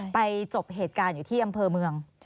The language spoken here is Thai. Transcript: จบเหตุการณ์อยู่ที่อำเภอเมือง